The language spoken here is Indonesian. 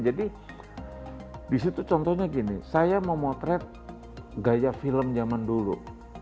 jadi disitu contohnya gini saya mau motret gaya film zaman dulu